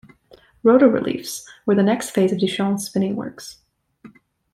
"Rotoreliefs" were the next phase of Duchamp's spinning works.